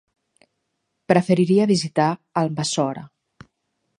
Preferiria visitar Almassora.